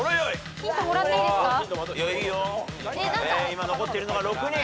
今残っているのが６人。